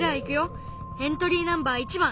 エントリーナンバー１番！